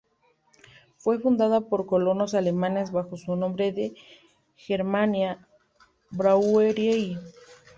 Fue fundada por colonos alemanes bajo el nombre de Germania-Brauerei.